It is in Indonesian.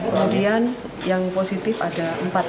kemudian yang positif ada empat